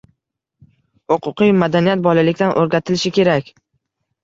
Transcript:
Huquqiy madaniyat bolalikdan o‘rgatilishi kerak